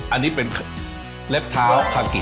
อันนี้เป็นเล็บเท้าคากิ